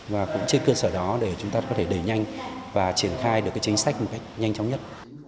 và cũng trên cơ sở đó để chúng ta có thể đẩy nhanh và triển khai được chính sách một cách nhanh chóng nhất